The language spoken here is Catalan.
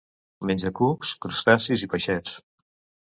Menja cucs, crustacis i peixets.